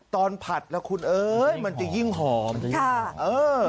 ตอนผัดแล้วคุณเอ๋ยมันจะยิ่งหอมมันจะยิ่งหอม